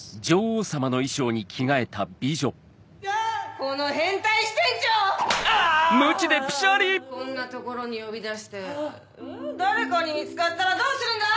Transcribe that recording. こんな所に呼び出して誰かに見つかったらどうするんだい